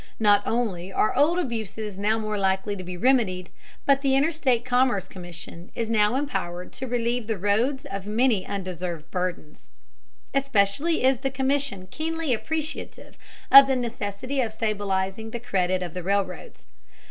Not only are old abuses now more likely to be remedied, but the Interstate Commerce Commission is now empowered to relieve the roads of many undeserved burdens. Especially is the Commission keenly appreciative of the necessity of stabilizing the credit of the railroads.